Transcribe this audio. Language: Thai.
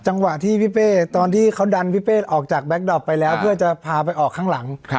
จังหวะที่พี่เป้ตอนที่เขาดันพี่เป้ออกจากแก๊กดอปไปแล้วเพื่อจะพาไปออกข้างหลัง